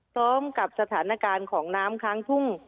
ซ้อมกับสถานการณ์ของน้ำค้างทุ่ง